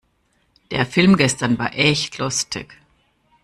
Der Film gestern war echt lustig.